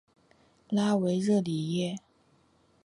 拉维热里耶。